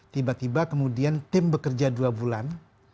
tiba tiba kemudian tim bekerja dua bulan